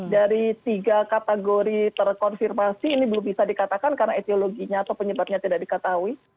dari tiga kategori terkonfirmasi ini belum bisa dikatakan karena etiologinya atau penyebabnya tidak diketahui